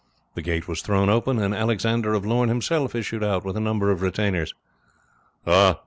The gate was thrown open, and Alexander of Lorne himself issued out with a number of retainers. "Ah!